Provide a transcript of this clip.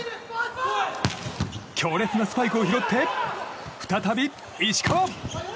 強烈なスパイクを拾って再び、石川！